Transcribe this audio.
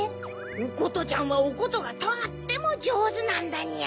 おことちゃんはおことがとってもじょうずなんだニャ。